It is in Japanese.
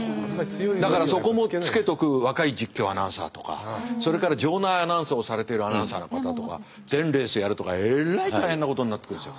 だからそこもつけとく若い実況アナウンサーとかそれから場内アナウンスをされてるアナウンサーの方とか全レースやるとかえらい大変なことになってくるでしょ。